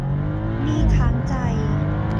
หนี้ค้างใจ